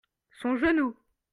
son genou.